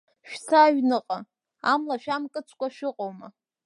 Шәца аҩныҟа, амла шәамкыцкәа шәыҟоума…